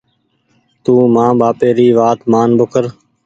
تونٚ مآن ٻآپي ري وآت مآن ٻوکر۔